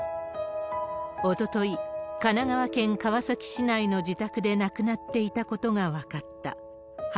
おととい、神奈川県川崎市内の自宅で亡くなっていたことが分かった。